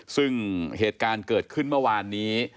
ซึ่งเหตุการณ์เกิดขึ้นเมื่อวานนี้